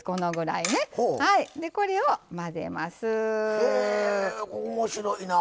へえ面白いなあ。